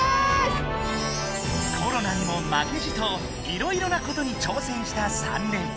コロナにもまけじといろいろなことに挑戦した３年。